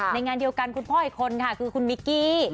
งานเดียวกันคุณพ่ออีกคนค่ะคือคุณมิกกี้